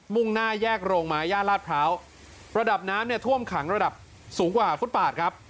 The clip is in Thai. ่งหน้าแยกโรงไม้ย่านลาดพร้าวระดับน้ำเนี่ยท่วมขังระดับสูงกว่าฟุตปาดครับ